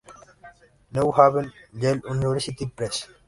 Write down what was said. New Haven, Yale University Press.